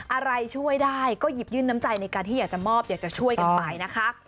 อะไรช่วยได้ก็หยิบยื่นน้ำใจในการที่อยากจะมอบอยากจะช่วยกันไปนะคะ